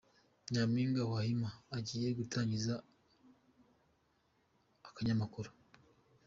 Nyampinga wa Hima agiye gutangiza akanyamakuru